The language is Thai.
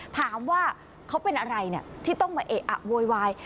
ถามว่าเขาเป็นอะไรที่ต้องมาเอะอะโวยวาย